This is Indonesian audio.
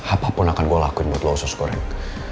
apa pun akan gue lakuin buat lo khusus goreng